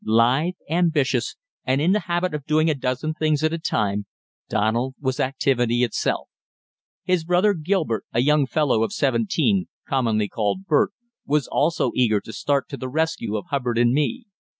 Lithe, ambitious, and in the habit of doing a dozen things at a time, Donald was activity itself. His brother Gilbert, a young fellow of seventeen, commonly called Bert, was also eager to start to the rescue of Hubbard and me.